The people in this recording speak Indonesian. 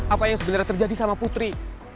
apa yang sebenarnya terjadi sama putri